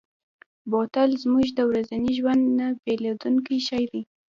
بوتل زموږ د ورځني ژوند نه بېلېدونکی شی دی.